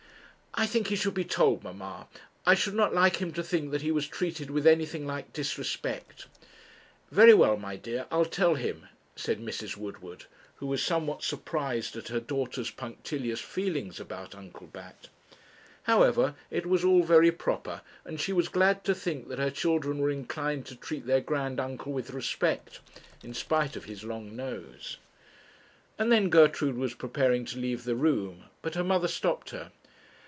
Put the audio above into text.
'I think he should be told, mamma; I should not like him to think that he was treated with anything like disrespect.' 'Very well, my dear, I'll tell him,' said Mrs. Woodward, who was somewhat surprised at her daughter's punctilious feelings about Uncle Bat. However, it was all very proper; and she was glad to think that her children were inclined to treat their grand uncle with respect, in spite of his long nose. And then Gertrude was preparing to leave the room, but her mother stopped her.